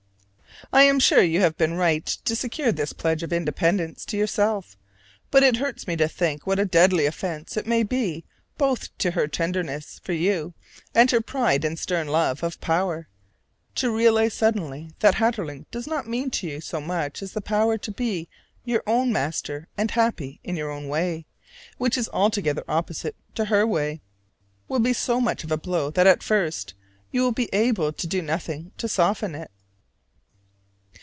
I am sure you have been right to secure this pledge of independence to yourself: but it hurts me to think what a deadly offense it may be both to her tenderness for you and her pride and stern love of power. To realize suddenly that Hatterling does not mean to you so much as the power to be your own master and happy in your own way, which is altogether opposite to her way, will be so much of a blow that at first you will be able to do nothing to soften it.